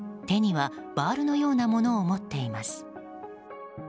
手にはバールのようなものを持っています。